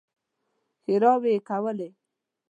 ښېراوې يې کولې.